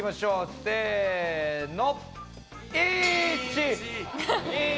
せの。